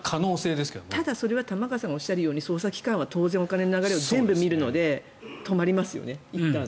ただ、それは玉川さんがおっしゃるように捜査機関は当然、お金の流れを全部見るので止まりますよね。